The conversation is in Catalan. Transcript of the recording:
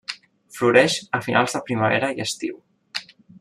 Floreix a finals de primavera i estiu.